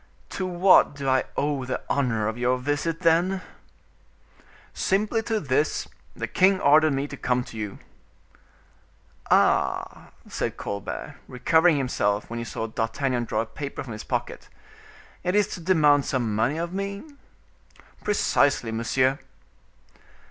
"To what do I owe the honor of your visit, then?" "Simply to this: the king ordered me to come to you." "Ah!" said Colbert, recovering himself when he saw D'Artagnan draw a paper from his pocket; "it is to demand some money of me?" "Precisely, monsieur."